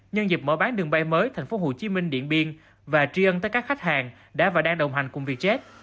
nhân dịp mở bán đường bay mới tp hcm điện biên và tri ân tới các khách hàng đã và đang đồng hành cùng vietjet